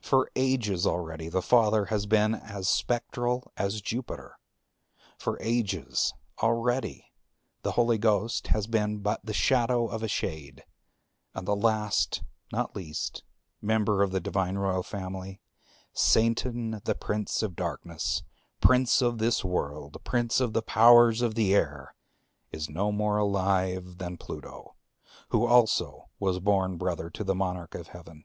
For ages already the Father has been as spectral as Jupiter; for ages already the Holy Ghost has been but the shadow of a shade. And the last, not least, member of the Divine Royal Family, Satan the Prince of Darkness, Prince of this World, and Prince of the Powers of the Air, is no more alive than Pluto, who also was born brother to the Monarch of Heaven.